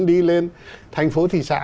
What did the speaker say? đi lên thành phố thị xã